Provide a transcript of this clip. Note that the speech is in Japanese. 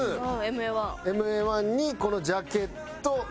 ＭＡ−１にこのジャケット３つ。